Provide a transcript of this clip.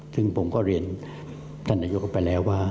ถึงผมเรียนต่างออกไปแล้วว่า